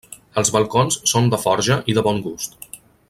Els balcons són de forja i de bon gust.